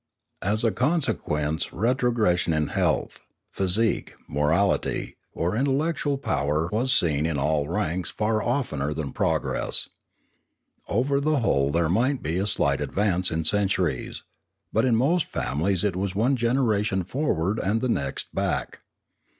As a consequence retrogression in health, physique, 45 2 Limanora morality, or intellectual power was seen in all ranks far oftener than progress. Over the whole there might be a slight advance in centuries; but in most families it was one generation forward and the next back.